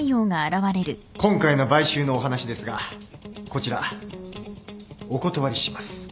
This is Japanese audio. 今回の買収のお話ですがこちらお断りします。